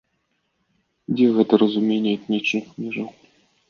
Дзе гэта разуменне этнічных межаў?